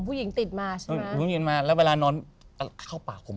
ผู้หญิงติดมาใช่ไหมผู้หญิงมาแล้วเวลานอนเข้าปากผม